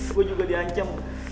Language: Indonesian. gue juga di ancam